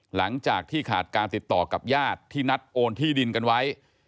หลังจากที่ขาดการติดต่อกับญาติที่นัดโอนที่ดินกันไว้